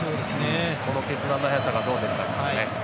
この決断の早さがどう出るかですね。